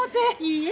いいえ。